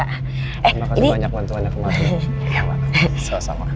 terima kasih banyak banyak